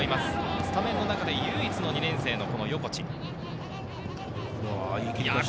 スタメンの中で唯一の２年生の横地。